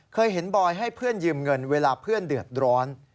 เคยเห็นบอยให้เพื่อนยืมเงินเวลาเพื่อนเดือดร้อน